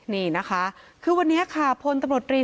นี่นะคะคือวันนี้ค่ะพลตำรวจรี